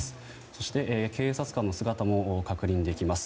そして、警察官の姿も確認できます。